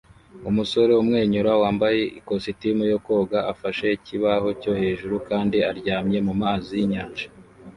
Umusore umwenyura wambaye ikositimu yo koga afashe ikibaho cyo hejuru kandi aryamye mumazi yinyanja